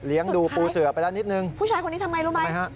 เลี้ยงดูปูเสือกไปแล้วนิดหนึ่งผู้ชายคนนี้ทำอะไรรู้ไหมอก่อนนะฮะ